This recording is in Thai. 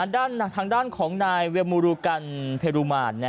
ทางด้านของนายเวมูรูกันเพรูมาน